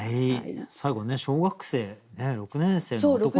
最後ね小学生６年生の男の子の句。